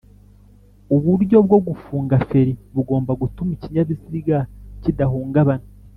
Uburyo bwo gufunga feri bugomba gutuma ikinyabiziga kidahungabana